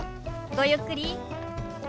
ごゆっくり。